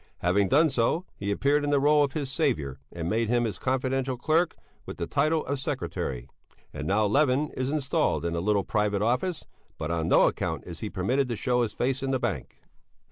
Having done so, he appeared in the rôle of his saviour and made him his confidential clerk with the title of secretary. And now Levin is installed in a little private office; but on no account is he permitted to show his face in the bank.